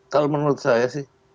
kalau menurut saya sih